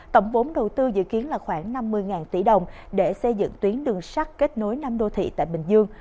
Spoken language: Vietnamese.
tổng vốn đầu tư dự kiến là khoảng năm mươi tỷ đồng để xây dựng tuyến đường sắt kết nối năm đô thị tại bình dương